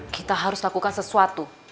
kita harus lakukan sesuatu